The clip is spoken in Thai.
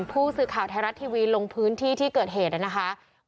ผู้สื่อข่าวไทยรัฐทีวีลงพื้นที่ที่เกิดเหตุนะคะ